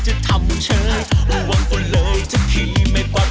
รีบไปบอกกูดมให้ช่วยจัดการที่ผีบ้านั่น